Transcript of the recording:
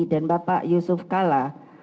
dan bapak yusuf kalla